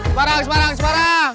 semarang semarang semarang